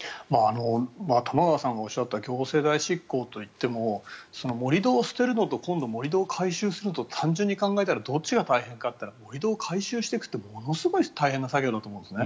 玉川さんがおっしゃった行政代執行といっても盛り土を捨てるのと今度、盛り土を回収するとどっちが考えたら盛り土を回収するってものすごい大変だと思うんです。